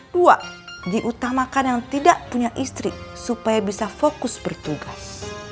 dua diutamakan yang tidak punya istri supaya bisa fokus bertugas